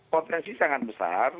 potensi sangat besar